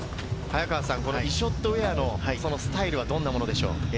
イショッド・ウェアのスタイルはどんなものでしょう？